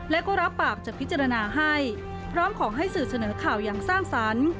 และก็รับปากจะพิจารณาให้พร้อมขอให้สื่อเสนอข่าวอย่างสร้างสรรค์